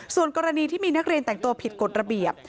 ส่วนกรณีที่มีนักเรียนแต่งตัวผิดกฎระเบียบ